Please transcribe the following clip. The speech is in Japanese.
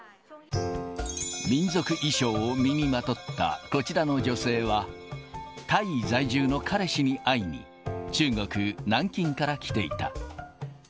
民族衣装を身にまとったこちらの女性は、タイ在住の彼氏に会いに、中国・南京から来ていた。